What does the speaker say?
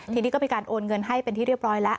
ทีนี้ก็มีการโอนเงินให้เป็นที่เรียบร้อยแล้ว